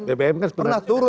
bbm kan sebenarnya turun